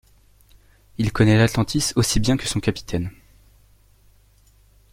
Il connait l'Atlantis aussi bien que son capitaine.